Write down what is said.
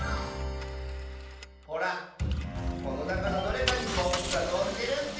ほらこのなかのどれかにぼくがのってるッスよ。